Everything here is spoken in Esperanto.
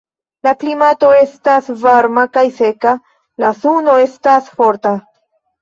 La klimato estas varma kaj seka; la suno estas forta.